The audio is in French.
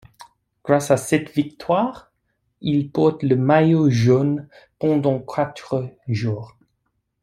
Grâce à cette victoire, il porte le maillot jaune pendant quatre jours.